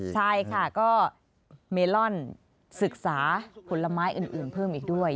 ใช่ค่ะก็เมลอนศึกษาผลไม้อื่นเพิ่มอีกด้วย